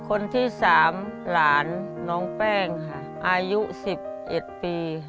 คนที่๓หลานน้องแป้งค่ะอายุ๑๑ปี